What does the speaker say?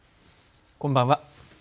こんばんは。